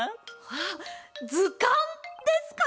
あっずかんですか？